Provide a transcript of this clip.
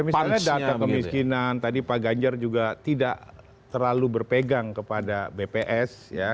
karena data kemiskinan tadi pak ganjar juga tidak terlalu berpegang kepada bps